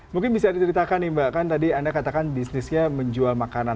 mungkin bisa diceritakan nih mbak kan tadi anda katakan bisnisnya menjual makanan